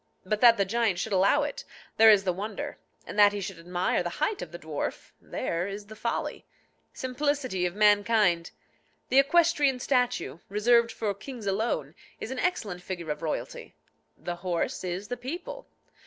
But that the giant should allow it, there is the wonder; and that he should admire the height of the dwarf, there is the folly. Simplicity of mankind! The equestrian statue, reserved for kings alone, is an excellent figure of royalty: the horse is the people.